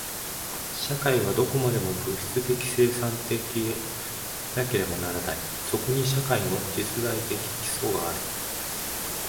社会はどこまでも物質的生産的でなければならない。そこに社会の実在的基礎がある。